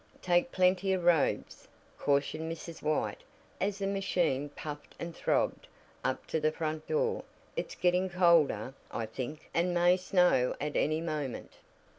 "Take plenty of robes," cautioned Mrs. White as the machine puffed and throbbed up to the front door. "It's getting colder, I think, and may snow at any moment."